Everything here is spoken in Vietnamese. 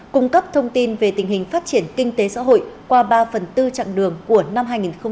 cung cấp thông tin về tình hình phát triển kinh tế xã hội qua ba phần tư chặng đường của năm hai nghìn hai mươi